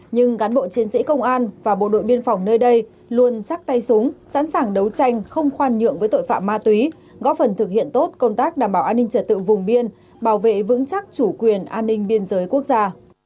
nhưng cán bộ chiến sĩ công an và bộ đội biên phòng nơi đây luôn chắc tay súng sẵn sàng đấu tranh không khoan nhượng với tội phạm ma túy góp phần thực hiện tốt công tác đảm bảo an ninh trật tự vùng biên bảo vệ vững chắc chủ quyền an ninh biên giới quốc gia